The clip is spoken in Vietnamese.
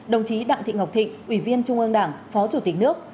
đồng chí đặng thị ngọc thịnh ubnd phó chủ tịch nước